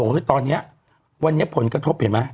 เฮ้ยตอนนี้วันนี้ผลกระทบเห็นไหม